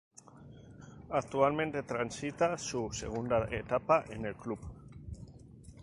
Actualmente transita su segunda etapa en el club.